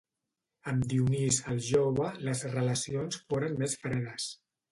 Amb Dionís el Jove les relacions foren més fredes.